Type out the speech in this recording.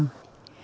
mặt màu đen